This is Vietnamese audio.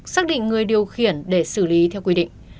xác định người điều khiển để xử lý theo quy định